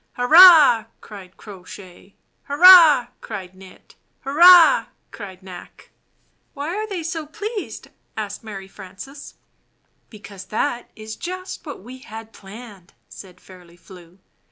"Hurrah!" cried Crow Shay. "Hurrah!" cried Knit. "Hurrah!" cried Knack. "Why are they so pleased? ' asked Mary Frances, n ^. "Because that is just what we had planned," said Wtltl^ Fairly Flew.